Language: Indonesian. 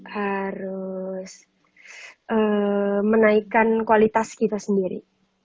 harus menaikkan kualitas kita sendiri